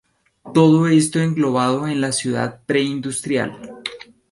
Todo esto englobado en la ciudad preindustrial.